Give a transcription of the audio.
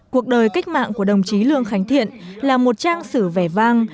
cuộc đời cách mạng của đồng chí lường khánh thiện là một trang sử vẻ vang